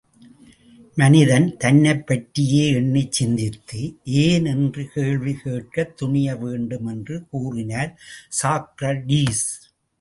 மனிதன் தன்னைப் பற்றியே எண்ணிச் சிந்தித்து, ஏன் என்று கேள்வி கேட்கத் துணிய வேண்டும் என்று கூறினார் சாக்ரடீஸ்.